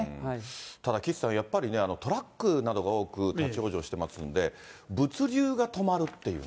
ただ岸さん、やっぱりね、トラックなどが多く立往生してますんで、物流が止まるっていうね。